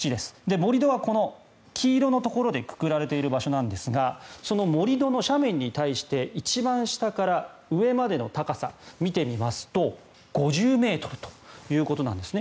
盛り土はこの黄色のところでくくられている場所なんですがその盛り土の斜面に対して一番下から上までの高さを見てみますと５０ｍということなんですね。